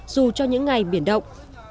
dù cho những ngày biển động